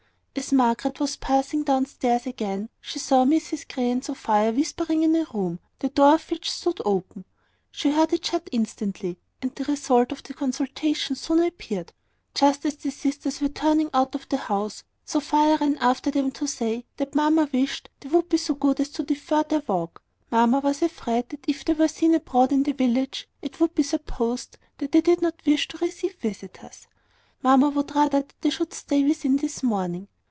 As Margaret was passing down stairs again, she saw Mrs Grey and Sophia whispering in a room, the door of which stood open. She heard it shut instantly, and the result of the consultation soon appeared. Just as the sisters were turning out of the house, Sophia ran after them to say that mamma wished they would be so good as to defer their walk; mamma was afraid that if they were seen abroad in the village, it would be supposed that they did not wish to receive visitors: mamma would rather that they should stay within this morning.